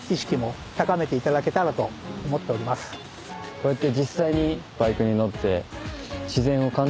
こうやって。